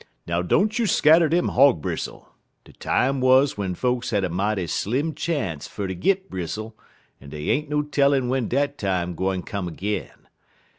"Now don't you scatter dem hog bristle! De time wuz w'en folks had a mighty slim chance fer ter git bristle, en dey ain't no tellin' w'en dat time gwine come ag'in.